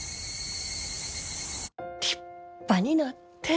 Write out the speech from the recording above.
立派になって。